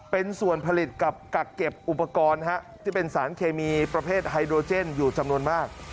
เป็นส่วนผลิตกับกักเก็บอุปกรณ์ที่เป็นสารเคมีประเภทไฮโดรเจนอยู่จำนวนมาก